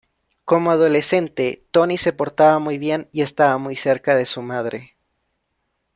Como adolescente, Tony se portaba bien y estaba muy cerca de su madre.